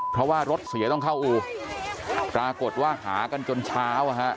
เพราะว่ารถเสียต้องเข้าอู่ปรากฏว่าหากันจนเช้า